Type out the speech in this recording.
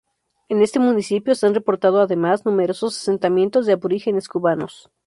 En este municipio se han reportado, además, numerosos asentamientos de aborígenes cubanos.